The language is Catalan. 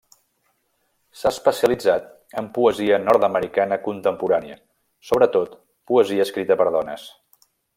S'ha especialitzat en poesia nord-americana contemporània, sobretot en poesia escrita per dones.